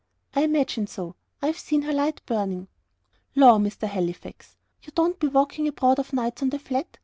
"I imagined so. I have seen her light burning." "Law, Mr. Halifax! you don't be walking abroad of nights on the Flat?